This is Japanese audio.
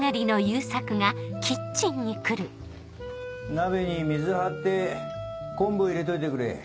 鍋に水張って昆布を入れといてくれ。